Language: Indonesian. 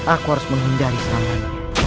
aku harus menghindari serangan